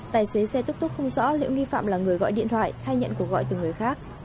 tài xế xe túc túc không rõ liệu nghi phạm là người gọi điện thoại hay nhận cuộc gọi từ người khác